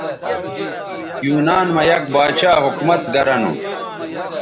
یونان مہ یک باچھا حکومت گرہ نو